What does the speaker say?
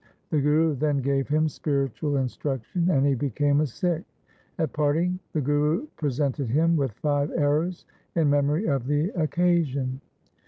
The Guru then gave him spiritual instruction and he became a Sikh. At parting the Guru pre sented him with five arrows in memory of the occasion.